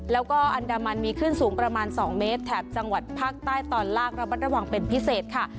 แล้วก็อันดามันมีคลื่นสูงประมาณ๒เมตรแถบจังหวัดภาคใต้ตอนล่างระบัดระวังเป็นพิเศษค่ะ